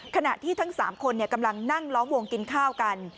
ขณะที่ทั้ง๓คนกำลังนั่งล้อมวงกินข้าวกัน